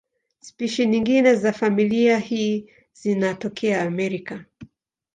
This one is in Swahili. Spishi nyingine za familia hii zinatokea Amerika.